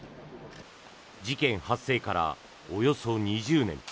事件発生からおよそ２０年。